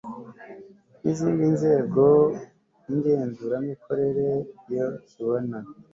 n izindi nzego ngenzuramikorere iyo kibona